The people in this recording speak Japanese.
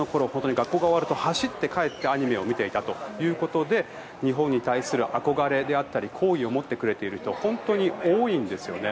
学校が終わると走って帰ってアニメを見ていたということで日本に対する憧れであったり好意を持ってくれている人は本当に多いんですよね。